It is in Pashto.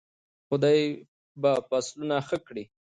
خدای به فصلونه ښه کړي.